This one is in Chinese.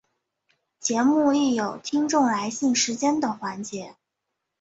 节目亦有听众来信时间的环节。